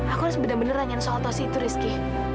aku harus bener bener nanya soal tosi itu rizky